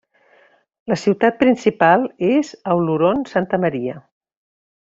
La ciutat principal és Auloron Santa Maria.